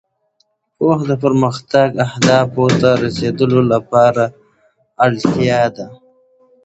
پوهه د پرمختللو اهدافو ته رسېدو لپاره اړتیا ده.